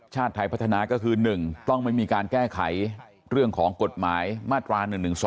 ชาติไทยพัฒนาก็คือ๑ต้องไม่มีการแก้ไขเรื่องของกฎหมายมาตรา๑๑๒